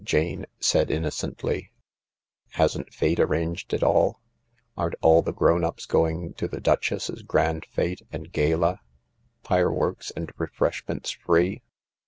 Jane said innocently. " Hasn't Fate arranged it all ? Aren't all the grown ups going to the Duchess's grand fete and gala — fireworks and refreshments free